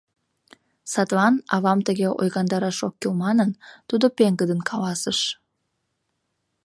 Садлан, авам тыге ойгандараш ок кӱл манын, тудо пеҥгыдын каласыш: